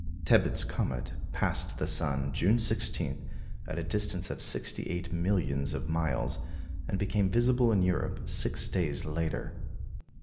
Tebbutt's comet passed the sun, June 16, at a distance of sixty eight millions of miles, and became visible in Europe six days later.